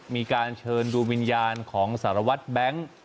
มีการเชิญดูวิญญาณของสารวัตรแบงค์